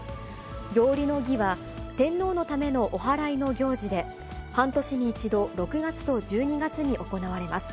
節折の儀は天皇ためのおはらいの行事で、半年に一度、６月と１２月に行われます。